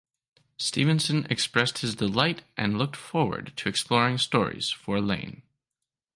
Stevenson expressed his delight and looked forward to exploring stories for Iain.